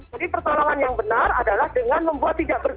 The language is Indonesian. jadi pertolongan yang benar adalah dengan membuat tidak bergerak